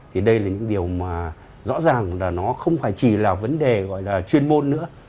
thì đây là những điều mà rõ ràng là nó không phải chỉ là vấn đề gọi là chuyên môn nữa